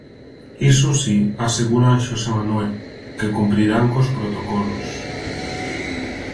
Iso si, aseguran Xosé Manuel, que cumprirán cos protocolos...